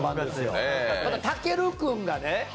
たける君がね